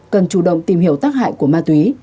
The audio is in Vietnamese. cần chủ động tìm hiểu tác hại của ma túy